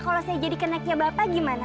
kalau saya jadi kenaknya bapak gimana